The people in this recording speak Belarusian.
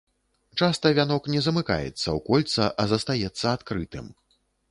Часта вянок не замыкаецца ў кольца, а застаецца адкрытым.